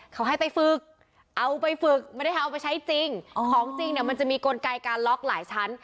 เขาให้ไปฝึกเอาไปฝึกไม่ได้เอาไปใช้จริงของจริงเนี่ยมันจะมีกลไกการล็อกหลายชั้น